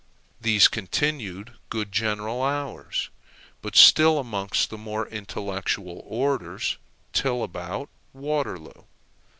These continued good general hours, but still amongst the more intellectual orders, till about Waterloo.